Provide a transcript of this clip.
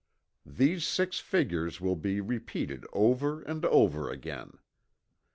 These six figures will be repeated over and over again.